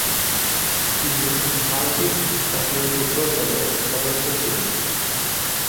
তিনি মালদ্বীপ জাতীয় ফুটবল দলের সদস্য ছিলেন।